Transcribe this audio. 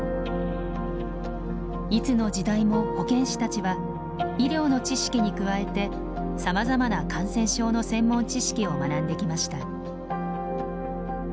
いつの時代も保健師たちは医療の知識に加えてさまざまな感染症の専門知識を学んできました。